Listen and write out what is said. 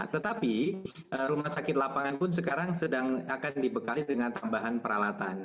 tetapi rumah sakit lapangan pun sekarang sedang akan dibekali dengan tambahan peralatan